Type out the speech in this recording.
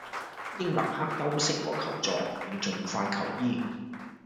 應立刻休息和求助，並盡快求醫